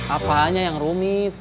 apa hanya yang rumit